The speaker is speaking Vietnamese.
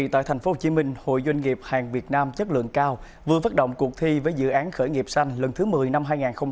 tại tp hcm hội doanh nghiệp hàng việt nam chất lượng cao vừa phát động cuộc thi với dự án khởi nghiệp xanh lần thứ một mươi năm hai nghìn hai mươi